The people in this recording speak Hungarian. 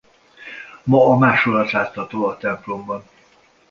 Ma a másolat látható a templomban.